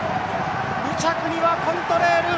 ２着にはコントレイル！